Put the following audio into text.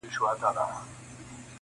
نجلۍ نوم کله کله يادېږي تل,